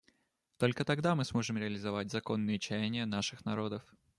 Только тогда мы сможем реализовать законные чаяния наших народов.